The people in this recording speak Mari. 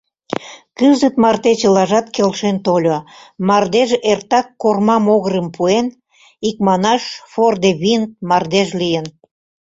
Кызыт марте чылажат келшен тольо: мардеж эртак корма могырым пуэн, икманаш фордевинд мардеж лийын.